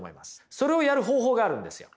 それをやる方法があるんですよ。